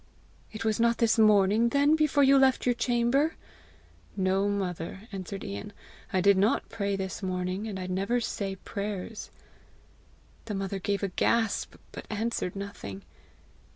"It was not this morning, then, before you left your chamber?" "No, mother," answered Ian; "I did not pray this morning, and I never say prayers." The mother gave a gasp, but answered nothing.